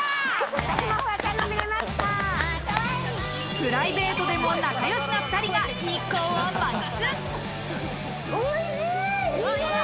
プライベートでも仲良しな２人が日光を満喫。